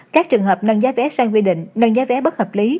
các trường hợp nâng giá vé sai quy định nâng giá vé bất hợp lý